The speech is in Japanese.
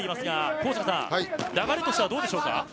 高阪さん、流れとしてはどうでしょうか。